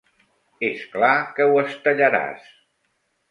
És clar que ho estellaràs.